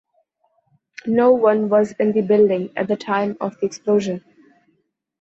No one was in the building at the time of the explosion.